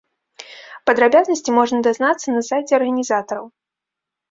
Падрабязнасці можна дазнацца на сайце арганізатараў.